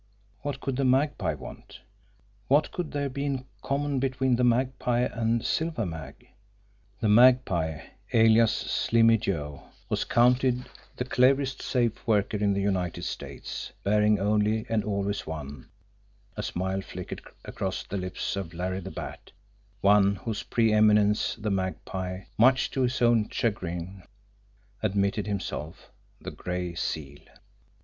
What could the Magpie want? What could there be in common between the Magpie and Silver Mag? The Magpie, alias Slimmy Joe, was counted the cleverest safe worker in the United States, barring only and always one a smile flickered across the lips of Larry the Bat one whose pre eminence the Magpie, much to his own chagrin, admitted himself the Gray Seal!